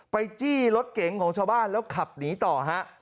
จี้รถเก๋งของชาวบ้านแล้วขับหนีต่อฮะ